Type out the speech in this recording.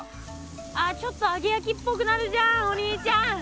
あちょっと揚げやきっぽくなるじゃんお兄ちゃん。